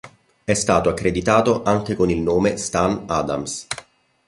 È stato accreditato anche con il nome Stan Adams.